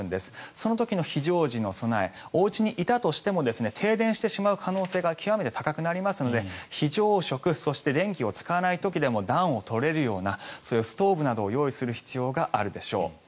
その時の非常時の備えおうちにいたとしても停電してしまう可能性が極めて高くなりますので非常食、そして電気を使わない時でも暖を取れるようなそういうストーブなどを用意する必要があるでしょう。